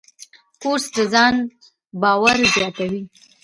کورس د ځان باور زیاتوي.